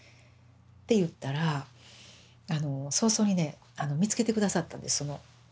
って言ったら早々にね見つけて下さったんです。